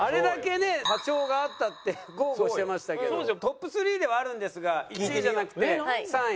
トップ３ではあるんですが１位じゃなくて３位。